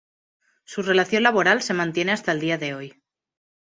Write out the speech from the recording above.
Su relación laboral se mantiene hasta el día de hoy.